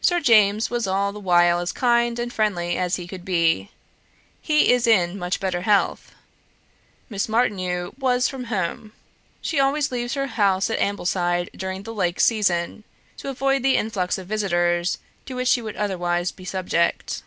Sir James was all the while as kind and friendly as he could be: he is in much better health. ... Miss Martineau was from home; she always leaves her house at Ambleside during the Lake season, to avoid the influx of visitors to which she would otherwise be subject.